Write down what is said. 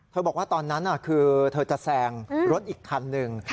บอกว่าตอนนั้นคือเธอจะแซงรถอีกคันหนึ่ง